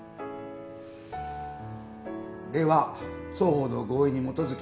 では双方の合意に基づき。